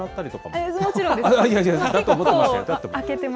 いやいや、だと思ってましたよ。